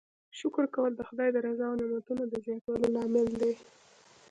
شکر کول د خدای د رضا او نعمتونو د زیاتوالي لامل دی.